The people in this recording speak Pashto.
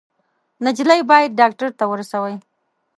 _نجلۍ بايد ډاکټر ته ورسوئ!